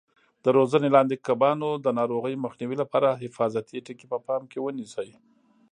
د روزنې لاندې کبانو د ناروغیو مخنیوي لپاره حفاظتي ټکي په پام کې ونیسئ.